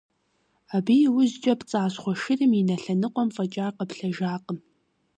Абы и ужькӀэ пцӀащхъуэ шырым и нэ лъэныкъуэм фӀэкӀа къэплъэжакъым.